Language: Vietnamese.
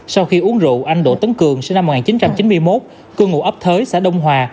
sau khi uống rượu anh đỗ tấn cường sinh năm một nghìn chín trăm chín mươi một cư ngụ ấp thới xã đông hòa